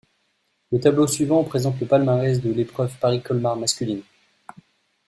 Le tableau suivant présente le palmarès de l'épreuve Paris-Colmar masculine.